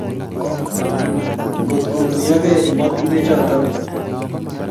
Ngot kotuyakee ematinwek chaton